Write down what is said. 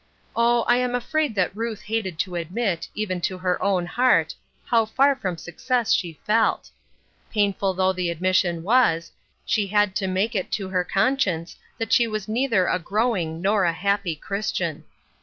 Oh, I am afraid that Ruth hated to admit, even to her own heart, how far from success she felt I Painful though the admission was, she had to make it to her conscience that she was neither a growing nor a happy Christian.